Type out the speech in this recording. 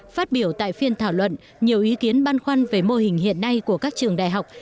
phát biểu tại phiên thảo luận nhiều ý kiến băn khoăn về mô hình hiện nay của các trường đại học